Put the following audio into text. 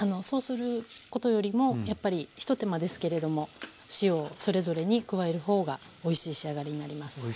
そうすることよりもやっぱり一手間ですけれども塩をそれぞれに加える方がおいしい仕上がりになります。